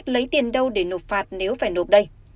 lấy tiền đâu để nộp phạt nếu phải nộp đây